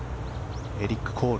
エリック・コール。